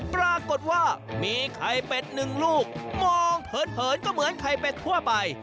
ปรากฏว่ามีไข่เป็ดหนึ่งลูกมองเผินก็เหมือนไข่เป็ดทั่วไป